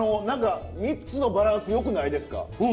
何か３つのバランス良くないですか？